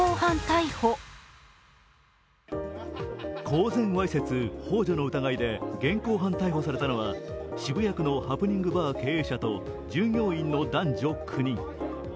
公然わいせつほう助の疑いで現行犯逮捕されたのは渋谷区のハプニングバー経営者と従業員の男女９人。